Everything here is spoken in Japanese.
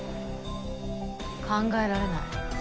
考えられない。